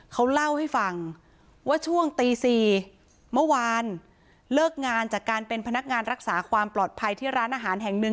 เขาเล่าให้ฟังว่าช่วงตี๔เมื่อวานเลิกงานจากการเป็นพนักงานรักษาความปลอดภัยที่ร้านอาหารแห่งหนึ่ง